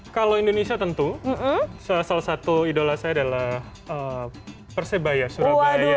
kalau indonesia tentu salah satu idola saya adalah persebaya surabaya